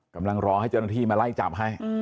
กำลังรอให้เจ้าหน้าที่มาไล่จับให้